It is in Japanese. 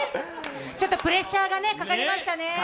ちょっとプレッシャーがねかかりましたね。